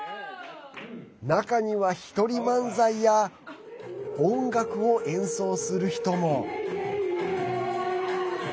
中には、一人漫才や音楽を演奏する人も。